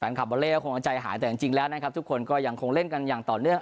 แฟนคลับบอเลก็คงเอาใจหายแต่จริงจริงแล้วนะครับทุกคนก็ยังคงเล่นกันอย่างต่อเนื่อง